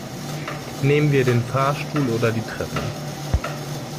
Nehmen wir den Fahrstuhl oder die Treppe?